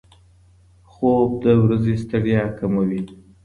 خوب د ورځې ستړیا کموي.